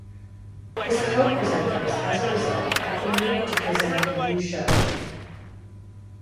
His co presenters as a result have been moved to present a new show.